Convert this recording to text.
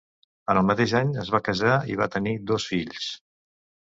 En el mateix any es va casar i va tenir dos fills.